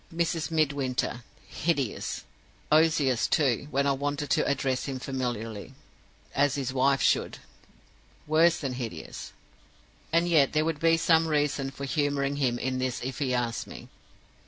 Mrs. Midwinter. Hideous! Ozias, too, when I wanted to address him familiarly, as his wife should. Worse than hideous! "And yet there would be some reason for humoring him in this if he asked me.